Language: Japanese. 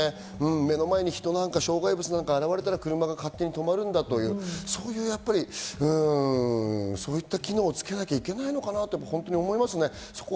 目の前に人や障害物が現れたら車が勝手に止まる、そういった機能をつけなきゃいけないのかなって本当に思いますね。